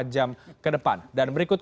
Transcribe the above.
dua puluh empat jam ke depan dan berikut